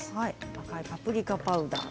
赤いパプリカパウダー。